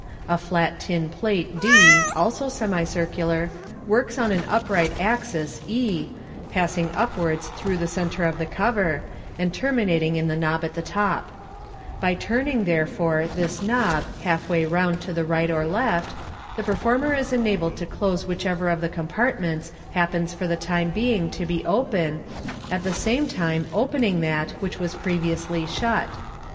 A flat tin plate, d, also semicircular, works on an upright axis, e, passing upwards through the centre of the cover, and terminating in the knob on the top. By turning, there MODERN MAGIC. 357 fore, this knob halfway round to the right or left, the performer is enabled to ch.se whichever of the compartments happens for the time being to be open, at the same time opening that which was previously shut.